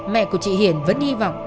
mẹ của chị hiền vẫn hy vọng